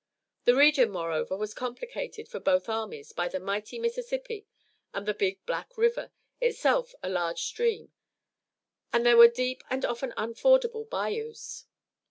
The region, moreover, was complicated for both armies by the mighty Mississippi and the Big Black River, itself a large stream, and there were deep and often unfordable bayous.